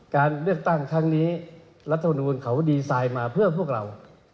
การเลือกตั้งครั้งนี้รัฐมนูลเขาดีไซน์มาเพื่อพวกเรา